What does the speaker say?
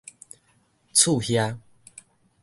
厝瓦